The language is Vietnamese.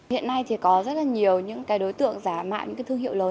hiện nay thì có rất là nhiều những cái đối tượng giả mạng những cái thương hiệu lớn